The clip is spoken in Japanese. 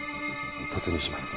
突入します。